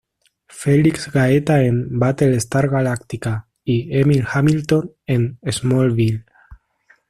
Felix Gaeta en "Battlestar Galactica" y Emil Hamilton en "Smallville".